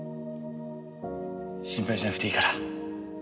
心配しなくていいから。